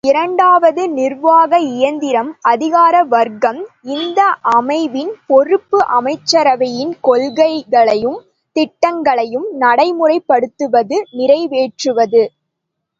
இரண்டாவது நிர்வாக இயந்திரம் அதிகார வர்க்கம், இந்த அமைவின் பொறுப்பு அமைச்சரவையின் கொள்கைகளையும், திட்டங்களையும் நடைமுறைப் படுத்துவது நிறைவேற்றுவது!